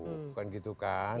bukan gitu kan